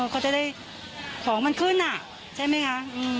เขาจะได้ของมันขึ้นใช่ไหมคะ